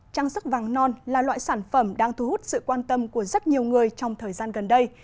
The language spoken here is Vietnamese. trang sức vàng non là loại sản phẩm đang thu hút sự quan tâm của rất nhiều người trong thời gian gần đây